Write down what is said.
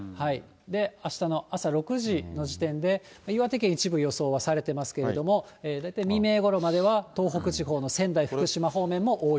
あしたの朝６時の時点で、岩手県一部予想はされてますけれども、大体未明ごろまでは東北地方の仙台、福島方面も大雪。